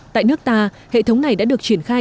tại nước ta hệ thống này đã được triển khai